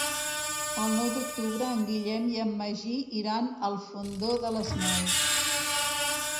El nou d'octubre en Guillem i en Magí iran al Fondó de les Neus.